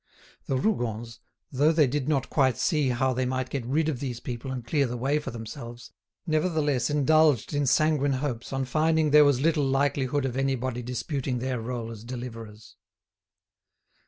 The Rougons, though they did not quite see how they might get rid of these people and clear the way for themselves, nevertheless indulged in sanguine hopes on finding there was little likelihood of anybody disputing their role as deliverers.